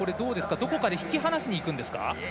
どこかで引き離しにいくんですか？